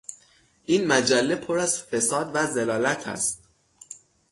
این مجله پر از فساد و ضلالت است.